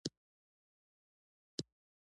دا د خلکو ملاتړ لایق دی.